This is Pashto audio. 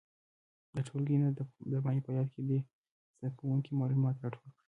د ټولګي نه د باندې فعالیت کې دې زده کوونکي معلومات راټول کړي.